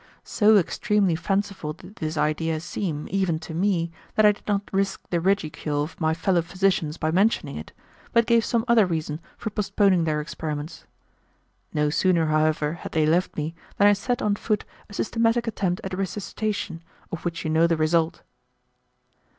So extremely fanciful did this idea seem, even to me, that I did not risk the ridicule of my fellow physicians by mentioning it, but gave some other reason for postponing their experiments. No sooner, however, had they left me, than I set on foot a systematic attempt at resuscitation, of which you know the result."